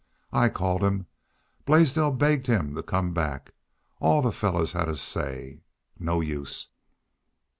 I called him. Blaisdell begged him to come back. All the fellars; had a say. No use!